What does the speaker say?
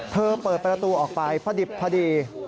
เปิดประตูออกไปพอดิบพอดี